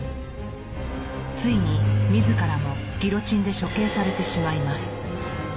ついに自らもギロチンで処刑されてしまいます。